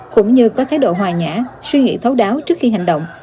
cũng như có thái độ hòa nhã suy nghĩ thấu đáo trước khi hành động